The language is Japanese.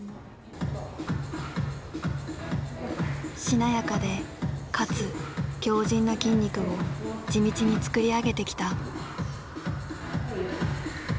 しなやかでかつ強じんな筋肉を地道に作り上げてきた。